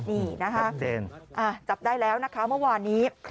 นี่นะคะชัดเจนจับได้แล้วนะคะเมื่อวานนี้